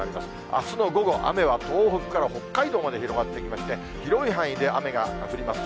あすの午後、雨は東北から北海道まで広がっていきまして、広い範囲で雨が降ります。